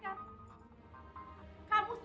gak ada apa apa kan